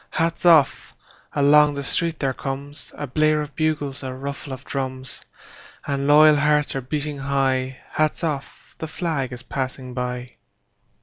Hats off! Along the street there comesA blare of bugles, a ruffle of drums; And loyal hearts are beating high:Hats off! The flag is passing by!